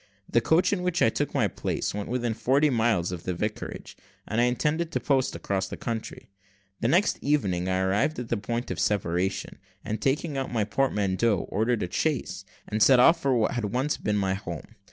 The coach in which I took my place went within forty miles of the vicarage, and I intended to post across the country. The next evening I arrived at the point of separation, and taking out my portmanteau, ordered a chaise, and set off for what once had been my home.